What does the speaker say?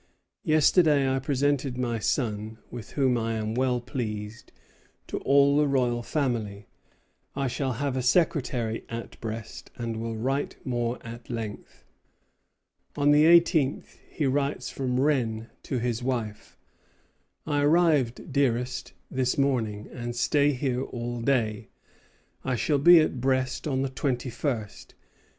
Yesterday I presented my son, with whom I am well pleased, to all the royal family. I shall have a secretary at Brest, and will write more at length." On the eighteenth he writes from Rennes to his wife: "I arrived, dearest, this morning, and stay here all day. I shall be at Brest on the twenty first.